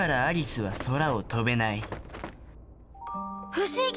不思議！